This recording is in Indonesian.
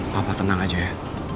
papa tenang aja ya